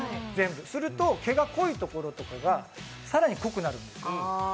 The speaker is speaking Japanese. すると、毛が濃いところとかが更に濃くなるんです。